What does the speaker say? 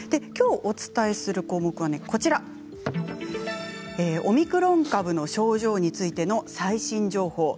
きょうお伝えする項目はオミクロン株の症状についての最新情報。